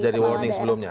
jadi warning sebelumnya